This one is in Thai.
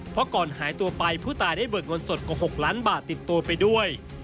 เพราะก่อนหายตัวไปผู้ตายได้เบิกเงินสดกว่า๖ล้านบาทติดตัวไปด้วย